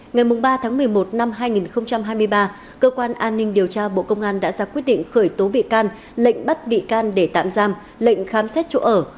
ngày ba tháng một mươi một năm hai nghìn hai mươi ba cơ quan an ninh điều tra bộ công an đã ra quyết định khởi tố bị can lệnh bắt bị can để tạm giam lệnh khám xét chỗ ở